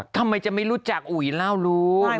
ทำไมจะไม่รู้จักอุ๋ยเล่ารู้